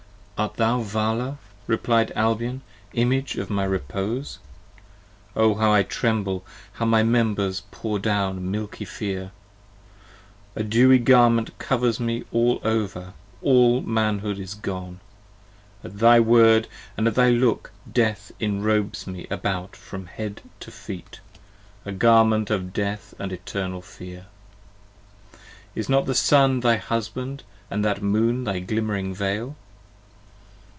Art thou Vala? replied Albion, image of my repose! O how I tremble! how my members pour down milky fear! A dewy garment covers me all over, all manhood is gone! 5 At thy word & at thy look death enrobes me about From head to feet, a garment of death & eternal fear. Is not that Sun thy husband & that Moon thy glimmering Veil